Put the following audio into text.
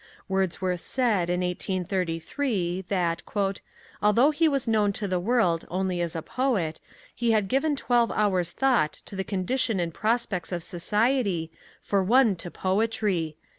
Wordsworth said, in 1833, that "although he was known to the world only as a poet, he had given twelve hours' thought to the condition and prospects of society, for one to poetry."